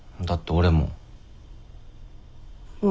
俺も？